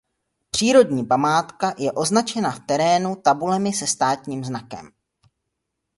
Přírodní památka je označena v terénu tabulemi se státním znakem.